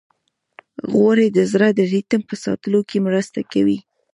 غوړې د زړه د ریتم په ساتلو کې مرسته کوي.